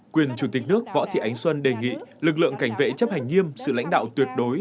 quyền chủ tịch nước võ thị ánh xuân đề nghị lực lượng cảnh vệ chấp hành nghiêm sự lãnh đạo tuyệt đối